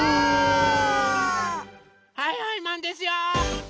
はいはいマンですよ！